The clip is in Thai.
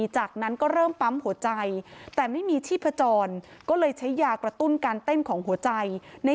จากนั้นก็เริ่มปั๊มหัวใจแต่ไม่มีชีพจรก็เลยใช้ยากระตุ้นการเต้นของหัวใจใน